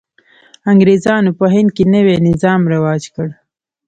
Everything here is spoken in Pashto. انګرېزانو په هند کې نوی نظام رواج کړ.